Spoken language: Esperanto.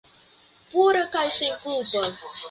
Pura kaj senkulpa!